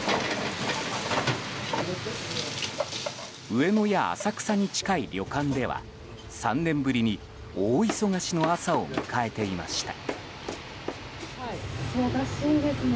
上野や浅草に近い旅館では３年ぶりに大忙しの朝を迎えていました。